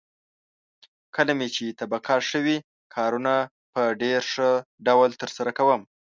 کله مې چې طبعه ښه وي، کارونه په ډېر ښه ډول ترسره کوم.